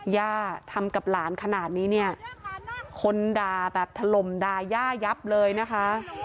ย่าทำกับหลานขนาดนี้เนี่ยคนด่าแบบถล่มด่าย่ายับเลยนะคะ